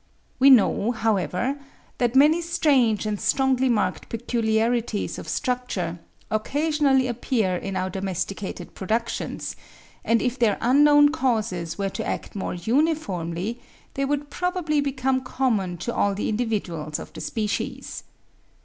We know, however, that many strange and strongly marked peculiarities of structure occasionally appear in our domesticated productions, and if their unknown causes were to act more uniformly, they would probably become common to all the individuals of the species.